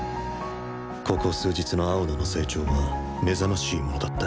ここ数日の青野の成長は目覚ましいものだった。